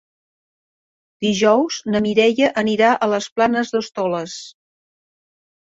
Dijous na Mireia anirà a les Planes d'Hostoles.